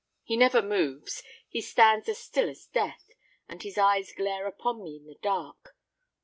He never moves—he stands as still as death—and his eyes glare upon me in the dark.